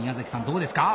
どうですか？